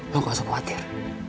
lo gak usah khawatir